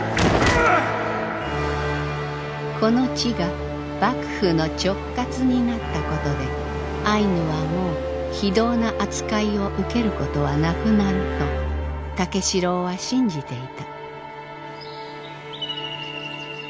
この地が幕府の直轄になったことでアイヌはもう非道な扱いを受けることはなくなると武四郎は信じていた。